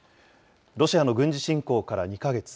ロシアの軍事侵攻から２か月。